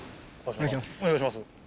お願いします。